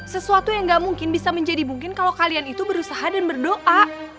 sesuatu yang gak mungkin bisa menjadi mungkin kalau kalian itu berusaha dan berdoa